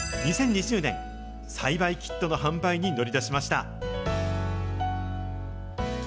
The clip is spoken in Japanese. ２０２０年、栽培キットの販売に乗り出しました。